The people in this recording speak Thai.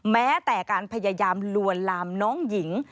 แม้แต่การพยายามลวนลามน้องหญิง